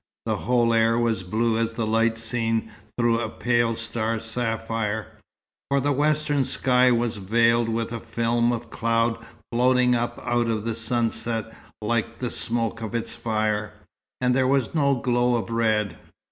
The whole air was blue as the light seen through a pale star sapphire, for the western sky was veiled with a film of cloud floating up out of the sunset like the smoke of its fire, and there was no glow of red.